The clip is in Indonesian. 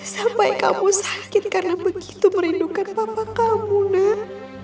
sampai kamu sakit karena begitu merindukan papa kamu nak